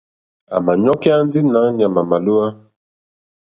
À mà ɲɔ́kyá ndí nǎ ɲàmà màlíwá.